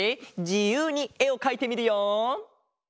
じゆうにえをかいてみるよ！